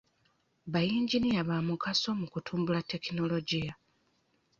Bayinginiya ba mugaso mu kutumbula tekinologiya